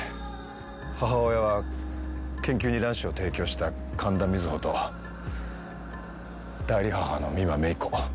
母親は研究に卵子を提供した神田水帆と代理母の美馬芽衣子。